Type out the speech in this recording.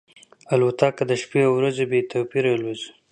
الوتکه د شپې او ورځې بې توپیره الوزي.